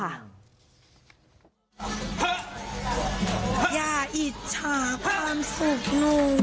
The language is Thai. อย่าอิชาความสุขหนู